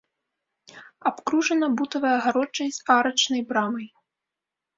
Абкружана бутавай агароджай з арачнай брамай.